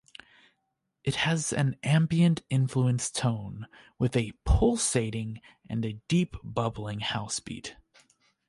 It has an ambient-influenced tone, with a "pulsating" and a "deep, bubbling" house beat.